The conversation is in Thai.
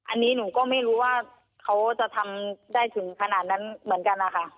อันนี้หนูก็ไม่รู้ว่าเขาจะทำได้ถึงขนาดนั้นเหมือนกันนะคะ